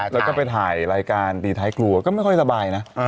แล้วก็ไปถ่ายรายการตีท้ายครัวก็ไม่ค่อยสบายนะ